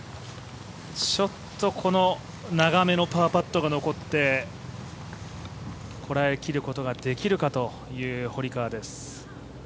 長めのパーパットが残ってこらえきることができるかという堀川です。